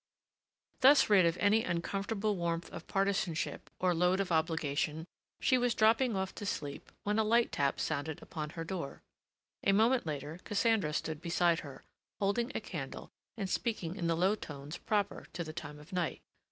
Thus rid of any uncomfortable warmth of partisanship or load of obligation, she was dropping off to sleep when a light tap sounded upon her door. A moment later Cassandra stood beside her, holding a candle and speaking in the low tones proper to the time of night.